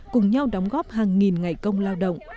cùng nhau đóng góp hàng nghìn ngày công lao động